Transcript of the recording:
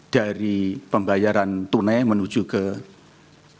dari pembayaran tunai menuju ke